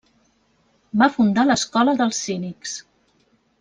Va fundar l'escola dels cínics.